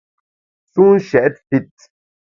Sun shèt fit.